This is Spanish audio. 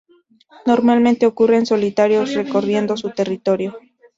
Normalmente ocurren solitarios, recorriendo su territorio.